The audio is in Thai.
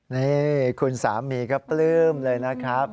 นี่คุณสามีก็ปลื้มเลยนะครับ